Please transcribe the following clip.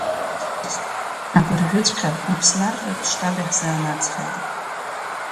Абыржәыҵәҟьа Аԥсны арратә штаб иаҳзаанацҳаит…